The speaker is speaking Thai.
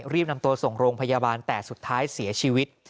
รีบนำตัวส่งโรงพยาบาลแต่สุดท้ายเสียชีวิต